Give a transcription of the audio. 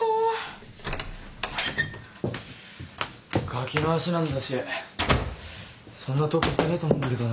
ガキの足なんだしそんな遠く行ってねえと思うんだけどな。